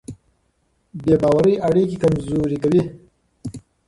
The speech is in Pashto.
بې باورۍ اړیکې کمزورې کوي.